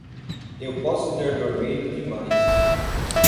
Eu posso ter dormido demais.